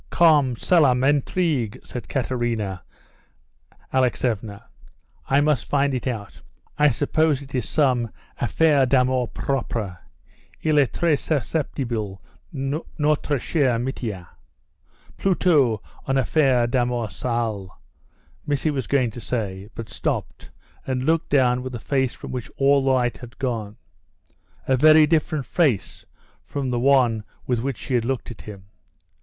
Comme cela m'intrigue," said Katerina Alexeevna. "I must find it out. I suppose it is some affaire d'amour propre; il est tres susceptible, notre cher Mitia." "Plutot une affaire d'amour sale," Missy was going to say, but stopped and looked down with a face from which all the light had gone a very different face from the one with which she had looked at him.